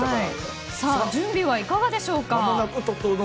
準備はいかがでしょうか。